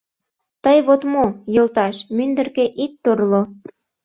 — Тый вот мо, йолташ, мӱндыркӧ ит торло.